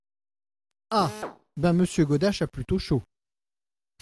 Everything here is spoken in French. Ah ! ben, Monsieur Godache a plutôt chaud.